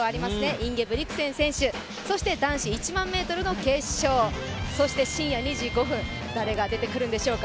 インゲブリクセン選手そして男子１００００ｍの決勝、そして深夜２時５分、誰が出てくるんでしょうか